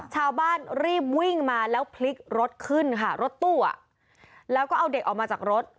ชาวบ้านรีบวิ่งมาแล้วพลิกรถขึ้นค่ะรถตู้อ่ะแล้วก็เอาเด็กออกมาจากรถ